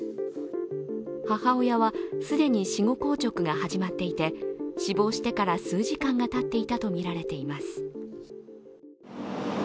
母親は既に死後硬直が始まっていて、死亡してから数時間がたっていたとみられています。